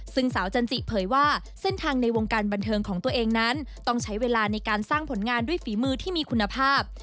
ซึ่งสาวจันจิเผยว่าเส้นทางในวงการบันเทิงของตัวเองนั้นต้องใช้เวลาในการสร้างผลงานด้วยฝีมือที่มีคุณภาพ